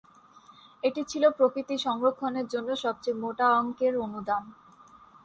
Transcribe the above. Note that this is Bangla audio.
এটি ছিলো প্রকৃতি সংরক্ষণের জন্য সবচেয়ে মোটা অঙ্কের অনুদান।